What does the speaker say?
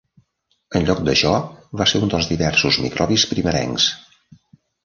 En lloc d'això, va ser un dels diversos microbis primerencs.